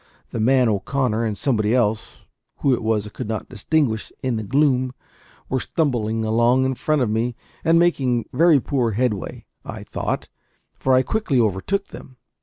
The man O'Connor and somebody else who it was I could not distinguish in the gloom were stumbling along in front of me, and making very poor headway, I thought, for I quickly overtook them.